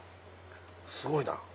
すごいな。